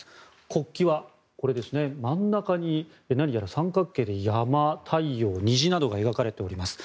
国旗は真ん中に何やら三角形の山太陽、虹などが描かれております。